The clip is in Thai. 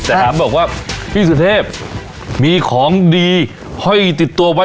แต่ถามบอกว่าพี่สุเทพมีของดีห้อยติดตัวไว้